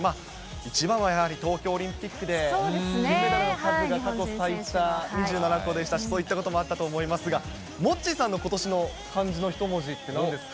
一番はやはり東京オリンピックで金メダルの数で過去最多２７個でしたし、そういったこともあったと思いますが、モッチーさんのことしの漢字の一文字ってどうですか。